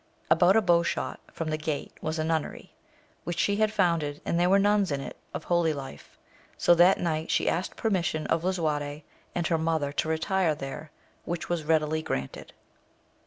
About a bow shot from the gate was a nunnery, which she had founded, and there were nuns in it of holy life. So that night she asked permission of Lisuarte a^d her mother to retire there, which was readily granted.